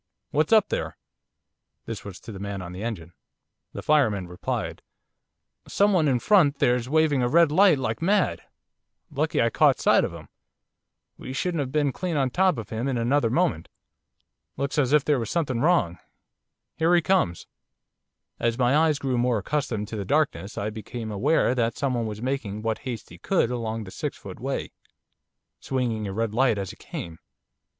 What's up there?' This was to the man on the engine. The fireman replied: 'Someone in front there's waving a red light like mad, lucky I caught sight of him, we should have been clean on top of him in another moment. Looks as if there was something wrong. Here he comes.' As my eyes grew more accustomed to the darkness I became aware that someone was making what haste he could along the six foot way, swinging a red light as he came.